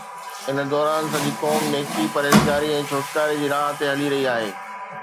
ان دوران سڄي قوم نيڪي، پرهيزگاري ۽ ڇوٽڪاري جي راهه تي هلي رهي آهي.